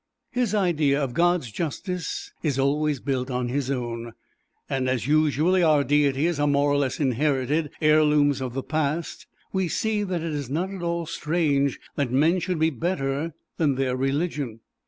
His idea of God's justice is always built on his own; and as usually our deities are more or less inherited, heirlooms of the past, we see that it is not at all strange that men should be better than their religion.